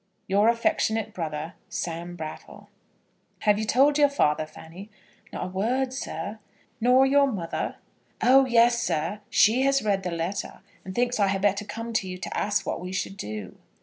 Your affectionate brother, SAM BRATTLE. "Have you told your father, Fanny?" "Not a word, sir." "Nor your mother?" "Oh yes, sir. She has read the letter, and thinks I had better come to you to ask what we should do."